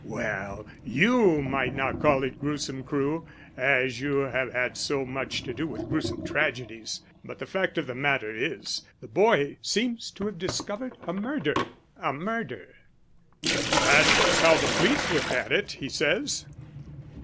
"Well, you might not call it gruesome, Crewe, as you have had so much to do with gruesome tragedies, but the fact of the matter is the boy seems to have discovered a murder." "A murder?" "That is how the police look at it, he says.